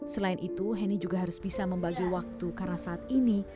selain itu henny juga harus bisa membagi waktu karena saat ini